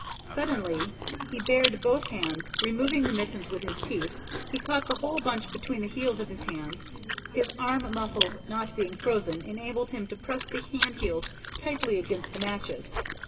Suddenly he bared both hands, removing the mittens with his teeth. He caught the whole bunch between the heels of his hands. His arm muscles not being frozen enabled him to press the hand heels tightly against the matches.